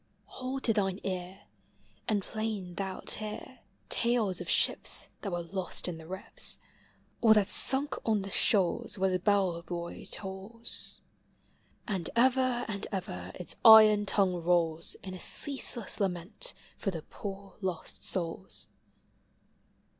Hold to thine ear, And plain thou 'It hear Talcs of ships Thai were lost in the rips. Or that sunk on the shoals Where the l»ell buoy tolls. And ever and ever its iron tongue rolls In a ceaseless lament for the poor lost souls.